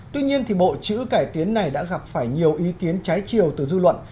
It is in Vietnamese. tuy nhiên thì bộ chữ cải tiến này đã gặp phải nhiều ý kiến trái chiều từ dư luận